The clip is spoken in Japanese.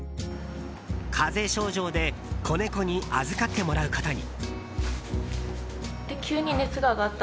風邪症状でこねこに預かってもらうことに。